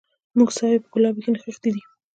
زموږ ساوي په ګلابو کي نغښتي دي